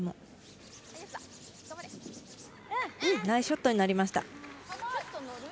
ナイスショットになりました。